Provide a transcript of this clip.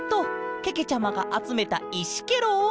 けけちゃまがあつめたいしケロ。